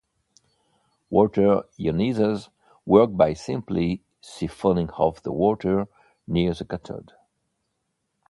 Water ionizers work by simply siphoning off the water near the cathode.